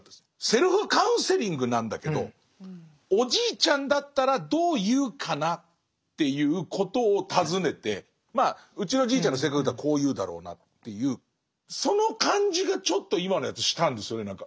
セルフカウンセリングなんだけど「おじいちゃんだったらどう言うかな？」っていうことを尋ねてまあうちのじいちゃんの性格だとこう言うだろうなっていうその感じがちょっと今のやつしたんですよね何か。